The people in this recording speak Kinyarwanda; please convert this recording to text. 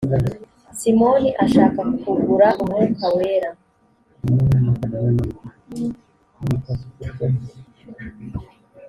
simoni ashaka kugura umwuka wera